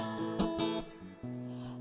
kau selalu mencintai